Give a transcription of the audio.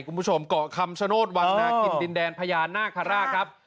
คุณผู้ชมเกาะคำชโนธวังนาคินดินแดนพญานาคาราชครับ